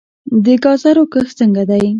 د ګازرو کښت څنګه دی؟